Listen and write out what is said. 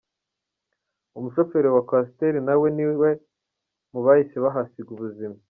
Umushoferi wa Coaster na we ni umwe mu bahise bahasiga ubuzima.